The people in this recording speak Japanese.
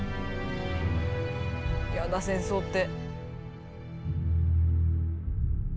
嫌だ戦争って。